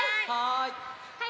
はい。